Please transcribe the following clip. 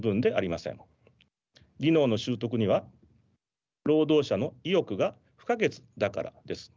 技能の習得には労働者の意欲が不可欠だからです。